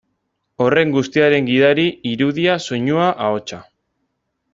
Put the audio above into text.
Horren guztiaren gidari, irudia, soinua, ahotsa.